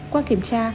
qua kiểm tra